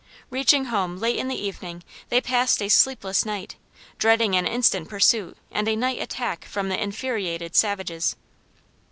Reaching home late in the evening they passed a sleepless night, dreading an instant pursuit and a night attack from the infuriated savages.